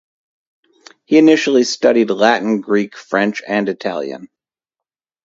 He initially studied Latin, Greek, French and Italian.